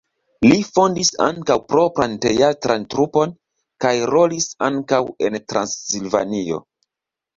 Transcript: Li fondis ankaŭ propran teatran trupon kaj rolis ankaŭ en Transilvanio.